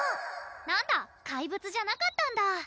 なんだ怪物じゃなかったんだ